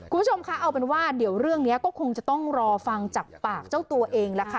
คุณผู้ชมคะเอาเป็นว่าเดี๋ยวเรื่องนี้ก็คงจะต้องรอฟังจากปากเจ้าตัวเองแล้วค่ะ